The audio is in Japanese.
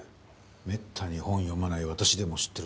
めったに本を読まない私でも知ってるんだから。